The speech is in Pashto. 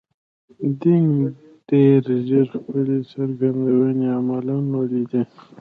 دینګ ډېر ژر خپلې څرګندونې عملاً ولیدې.